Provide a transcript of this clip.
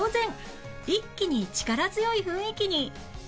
一気に力強い雰囲気に